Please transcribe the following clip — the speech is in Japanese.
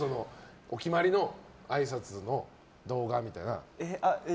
お決まりのあいさつの動画みたいな。